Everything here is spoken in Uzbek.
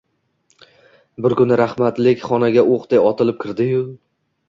Bir kuni rahmatlik xonaga o‘qday otilib kirdi-yu